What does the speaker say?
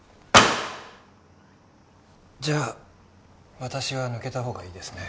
じゃあ私は抜けたほうがいいですね